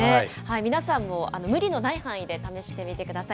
皆さんも無理のない範囲で試してみてください。